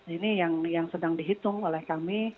ini yang sedang dihitung oleh kami